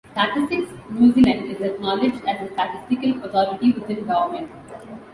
Statistics New Zealand is acknowledged as the statistical authority within government.